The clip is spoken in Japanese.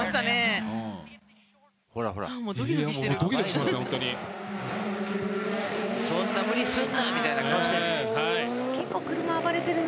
そんな無理すんなみたいな顔してる。